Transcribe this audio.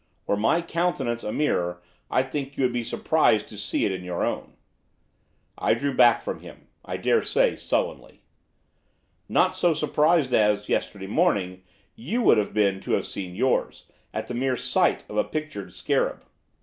Were my countenance a mirror I think you would be surprised to see in it your own.' I drew back from him, I daresay, sullenly. 'Not so surprised as, yesterday morning, you would have been to have seen yours, at the mere sight of a pictured scarab.